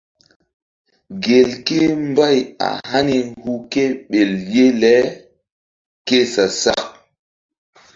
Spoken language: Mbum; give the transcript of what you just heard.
Gelke mbay a hani hu ke ɓel ye le ke sa-sak.